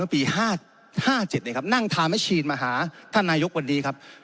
ปี๑๙๕๗นั่งทามัชชีนมาหาท่านนายกวันนี้